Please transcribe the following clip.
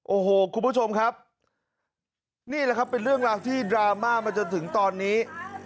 โอ้โหคุณผู้ชมครับนี่แหละครับเป็นเรื่องราวที่ดราม่ามาจนถึงตอนนี้